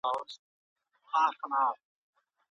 که په ښار کي شنه پوښونه زیات سي، نو غږونه نه انعکاس کوي.